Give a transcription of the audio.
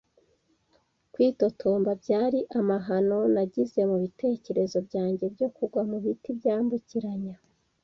kwitotomba; byari amahano nagize mubitekerezo byanjye byo kugwa mubiti byambukiranya